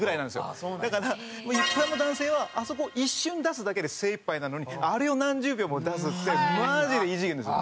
だから一般の男性はあそこ一瞬出すだけで精いっぱいなのにあれを何十秒も出すってマジで異次元です。